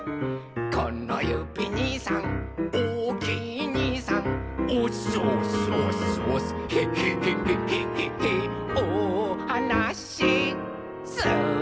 「このゆびにいさんおおきいにいさん」「オスオスオスオスヘヘヘヘヘヘヘおはなしする」